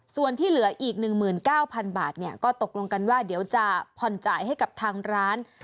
ส่วนที่เหลืออีก๑๙๐๐บาทก็ตกลงกันว่าเดี๋ยวจะผ่อนจ่ายให้กับทางร้าน